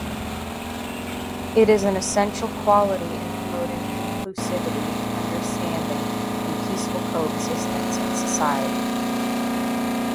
It is an essential quality in promoting inclusivity, understanding, and peaceful coexistence in society.